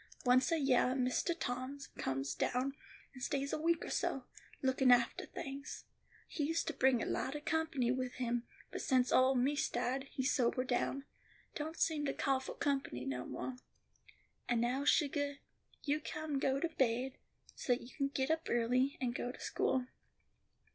Once a yeah Mistah Tom comes down and stays a week or so, lookin' aftah things. He used to bring a lot of company with him, but since ole Miss died, he's sobered down; don't seem to cah fo' company no more. "And now, sugah, you come go to baid, so you can get up early, and go to school."